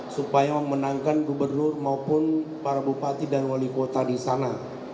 supaya memenangkan gubernur maupun para bupati dan wali kota di sana